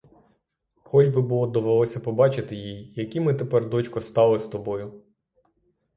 Хоч би було довелося побачити їй, які ми тепер, дочко, стали з тобою!